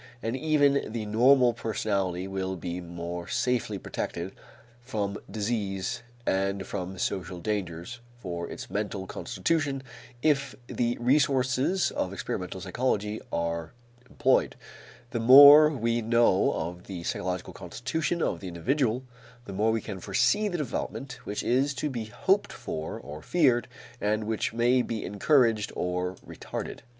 And even the normal personality will be more safely protected from disease and from social dangers for its mental constitution if the resources of experimental psychology are employed. The more we know of the psychological constitution of the individual, the more we can foresee the development which is to be hoped for or feared and which may be encouraged or retarded.